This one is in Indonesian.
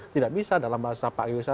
tidak bisa dalam bahasa pak geosa